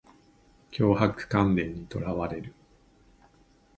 強迫観念にとらわれる